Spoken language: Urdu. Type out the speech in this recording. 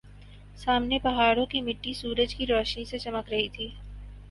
سامنے پہاڑوں کی مٹی سورج کی روشنی سے چمک رہی تھی